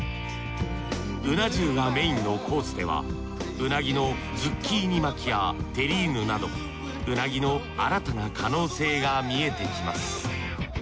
うな重がメインのコースではうなぎのズッキーニ巻きやテリーヌなどうなぎの新たな可能性が見えてきます。